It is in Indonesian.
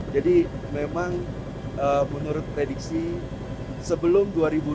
jadi memang menurut prediksi sebelum dua ribu dua puluh enam